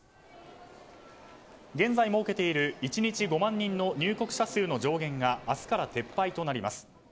現在設けている１日５万人の入国者数の上限が明日から撤廃となります。